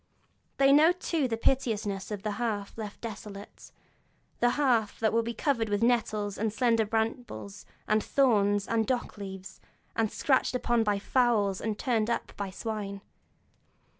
They know too the piteousness of the hearth left desolate, the hearth that will be covered with nettles, and slender brambles, and thorns, and dock leaves, and scratched up by fowls, and turned up by swine.